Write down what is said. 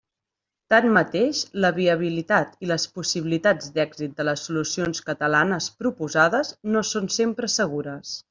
Tanmateix la viabilitat i les possibilitats d'èxit de les solucions catalanes proposades no són sempre segures.